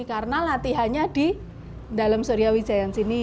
karena latihannya di dalam suryawijaya yang sini